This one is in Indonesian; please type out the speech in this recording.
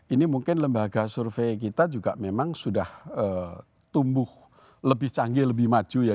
ini mungkin lembaga survei kita juga memang sudah tumbuh lebih canggih lebih maju ya